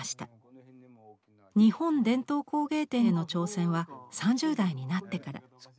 日本伝統工芸展への挑戦は３０代になってから。